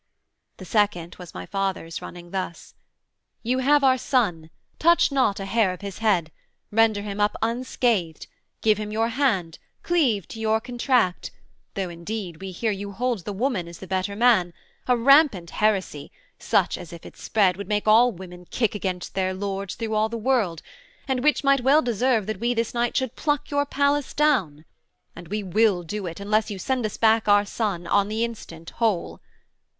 The second was my father's running thus: 'You have our son: touch not a hair of his head: Render him up unscathed: give him your hand: Cleave to your contract: though indeed we hear You hold the woman is the better man; A rampant heresy, such as if it spread Would make all women kick against their Lords Through all the world, and which might well deserve That we this night should pluck your palace down; And we will do it, unless you send us back Our son, on the instant, whole.'